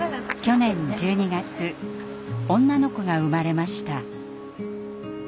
去年１２月女の子が産まれました。